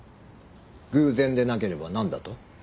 偶然でなければなんだと？